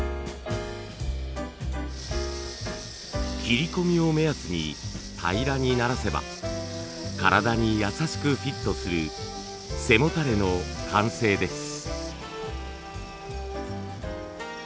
切り込みを目安に平らにならせば体に優しくフィットする背もたれの完成です。